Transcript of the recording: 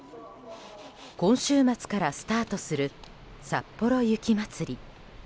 今週末からスタートするさっぽろ雪まつり。